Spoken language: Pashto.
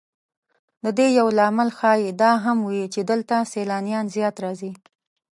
د دې یو لامل ښایي دا هم وي چې دلته سیلانیان زیات راځي.